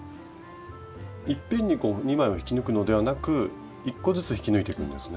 いっぺんに２枚を引き抜くのではなく１個ずつ引き抜いていくんですね。